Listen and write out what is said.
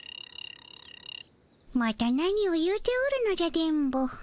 また何を言うておるのじゃ電ボ。